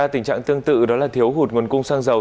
ba tình trạng tương tự đó là thiếu hụt nguồn cung xăng dầu